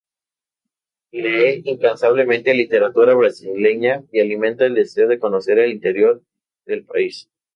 Lee incansablemente literatura brasileña y alimenta el deseo de conocer el interior del país.